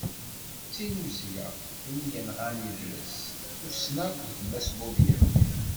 D tinnuzya, tid yenɣan idles, tussna akked d Mass Budyaf.